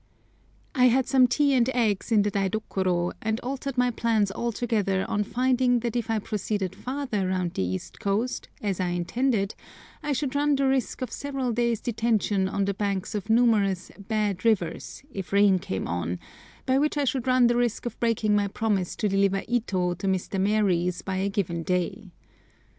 I had some tea and eggs in the daidokoro, and altered my plans altogether on finding that if I proceeded farther round the east coast, as I intended, I should run the risk of several days' detention on the banks of numerous "bad rivers" if rain came on, by which I should run the risk of breaking my promise to deliver Ito to Mr. Maries by a given day.